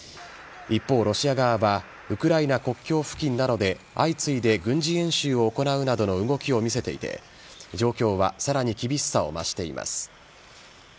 一方、ロシア側はウクライナ国境付近などで相次いで軍事演習を行うなどの動きを見せていて状況はさらに厳しさを増しています。